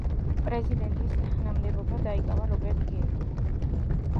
პრეზიდენტის თანამდებობა დაიკავა რობერტ გეიმ.